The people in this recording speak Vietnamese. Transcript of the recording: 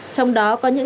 trong đó có những